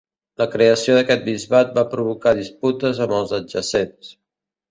La creació d'aquest bisbat va provocar disputes amb els adjacents.